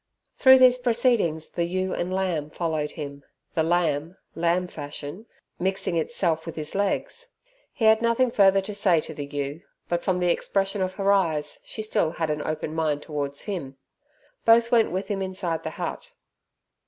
Through these proceedings the ewe and lamb followed him, the lamb lamb fashion mixing itself with his legs. He had nothing further to say to the ewe, but from the expression of her eyes she still had an open mind towards him. Both went with him inside the hut.